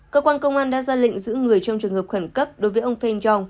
cơ quan công an đã ra lệnh giữ người trong trường hợp khẩn cấp đối với ông feng yong